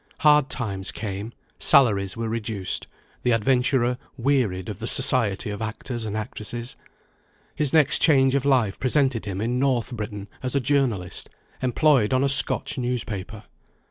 Hard times came; salaries were reduced; the adventurer wearied of the society of actors and actresses. His next change of life presented him in North Britain as a journalist, employed on a Scotch newspaper.